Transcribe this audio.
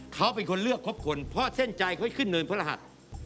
เขาเป็นคนเลือกครบคนเพราะเส้นใจเขาให้ขึ้นเนินพระรหัส